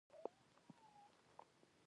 ته ډیر ښکلی یی